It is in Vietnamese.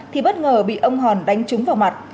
thì bất ngờ bị ông hòn đánh trúng vào mặt